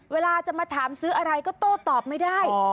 เวลาจะมาถามซื้ออะไรก็โต้ตอบไม่ได้